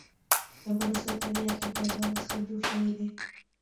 د افغانستان طبیعت له بادامو څخه جوړ شوی دی.